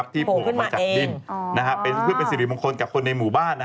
โผล่ออกมาจากดิ้นเพื่อเป็นสิริมงคลกับคนในหมู่บ้าน